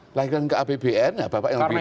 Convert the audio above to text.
dilarikan ke apbn ya bapak yang lebih tahu